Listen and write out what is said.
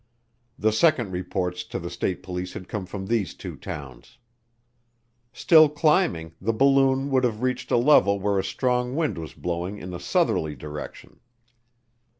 The second reports to the state police had come from these two towns. Still climbing, the balloon would have reached a level where a strong wind was blowing in a southerly direction.